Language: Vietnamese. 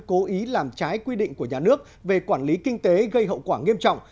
cố ý làm trái quy định của nhà nước về quản lý kinh tế gây hậu quả nghiêm trọng